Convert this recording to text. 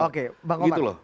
oke bang omar